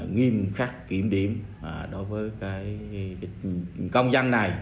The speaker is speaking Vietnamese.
nghiêm khắc kiểm điểm đối với công dân này